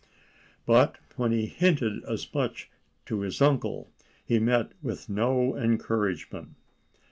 But when he hinted as much to his uncle he met with no encouragement.